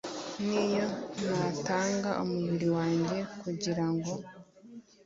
niyo natanga umubiri wanjye kugira ngo